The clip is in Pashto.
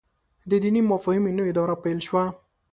د دیني مفاهیمو نوې دوره پيل شوه.